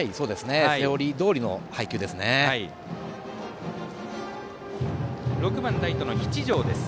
セオリーどおりの配球です。